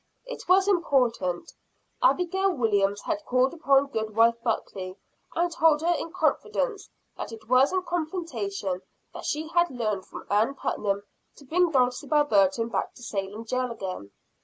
It was important. Abigail Williams had called upon Goodwife Buckley, and told her in confidence that it was in contemplation, as she had learned from Ann Putnam, to bring Dulcibel Burton back to Salem jail again.